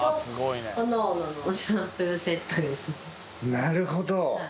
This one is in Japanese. なるほど。